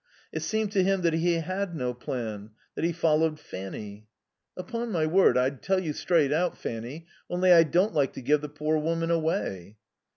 It seemed to him that he had no plan; that he followed Fanny. "Upon my word I'd tell you straight out, Fanny, only I don't like to give the poor woman away."